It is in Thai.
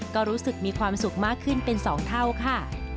ก็รู้สึกมีความสุขมากขึ้นเป็น๒เท่าค่ะ